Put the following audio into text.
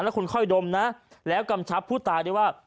แล้วคุณค่อยดมนะแล้วกำชับผู้ตายด้วยว่า